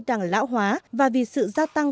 đang lão hóa và vì sự gia tăng